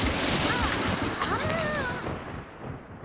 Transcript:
ああ。